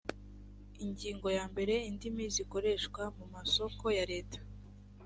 ingingo ya mbere indimi zikoreshwa mu masoko ya leta